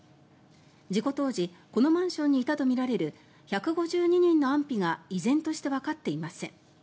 事故当時このマンションにいたとみられる１５２人の安否が依然としてわかっていません。